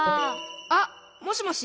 あっもしもし。